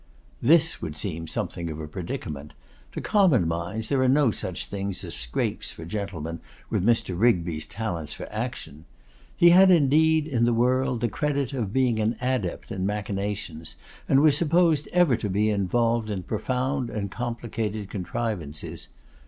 This would seem something of a predicament! To common minds; there are no such things as scrapes for gentlemen with Mr. Rigby's talents for action. He had indeed, in the world, the credit of being an adept in machinations, and was supposed ever to be involved in profound and complicated contrivances.